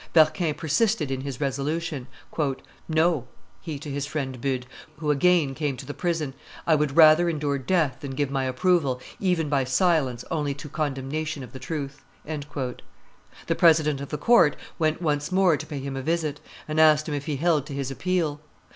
Berquin persisted in his resolution. "No," he to his friend Bude, who again came to the prison, "I would rather endure death than give my approval, even by silence only to condemnation of the truth." The president of the court went once more to pay him a visit, and asked him if he held to his appeal.